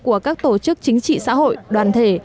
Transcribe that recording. của các tổ chức chính trị xã hội đoàn thể